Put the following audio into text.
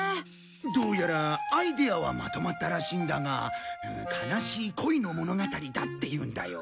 どうやらアイデアはまとまったらしいんだが悲しい恋の物語だっていうんだよ。